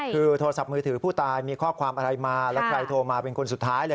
คือโทรศัพท์มือถือผู้ตายมีข้อความอะไรมาแล้วใครโทรมาเป็นคนสุดท้ายเลย